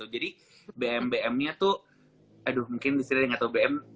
jadi bm bm nya tuh aduh mungkin disini ada yang nggak tau bm